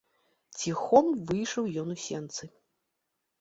Ціхом выйшаў ён у сенцы.